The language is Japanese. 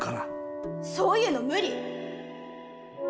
そういうの無理！